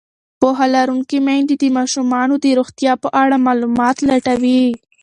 پوهه لرونکې میندې د ماشومانو د روغتیا په اړه معلومات لټوي.